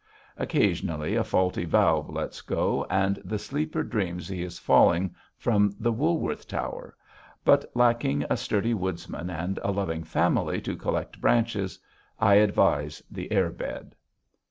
Occasionally, a faulty valve lets go, and the sleeper dreams he is falling from the Woolworth Tower. But lacking a sturdy woodsman and a loving family to collect branches, I advise the air bed.